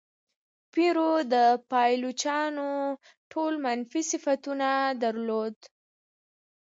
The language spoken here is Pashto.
پیرو د پایلوچانو ټول منفي صفتونه درلودل.